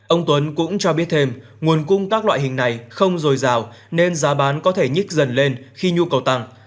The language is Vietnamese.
ông tuấn cũng cho biết thêm nguồn cung các loại hình này không dồi dào nên giá bán có thể nhích dần lên khi nhu cầu tăng